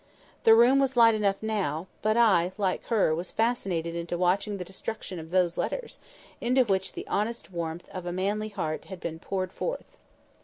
The room was light enough now; but I, like her, was fascinated into watching the destruction of those letters, into which the honest warmth of a manly heart had been poured forth.